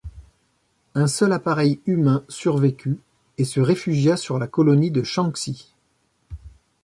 Un seul appareil humain survécut et se réfugia sur la colonie de Shanxi.